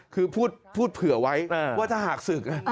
คือพูดเผื่อไว้ว่าถ้าหากศึก